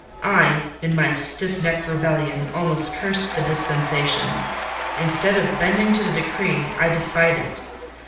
I, in my stiff necked rebellion, almost cursed the dispensation: instead of bending to the decree, I defied it.